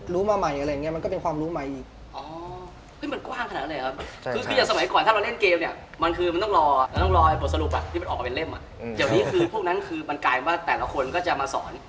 คือมันกลายเป็นว่าแต่ละคนก็จะมาสอน